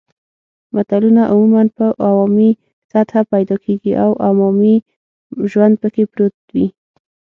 متلونه عموماً په عوامي سطحه پیدا کېږي او عوامي ژوند پکې پروت وي